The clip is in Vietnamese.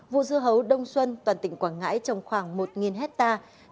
vụ dưa hấu đông xuân toàn tỉnh quảng ngãi trồng khoảng một hectare